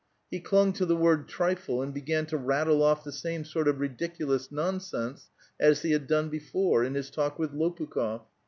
He clung to the word trifle^ and began to rattle off the same sort of ridiculous non sense as he had done before, in his talk with Loi)ukh6f.